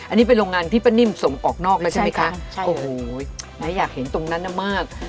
อันนี้เป็นโรงงานที่ป้านิ่มส่งออกนอกแล้วใช่ไหมคะใช่โอ้โหแม่อยากเห็นตรงนั้นน่ะมาก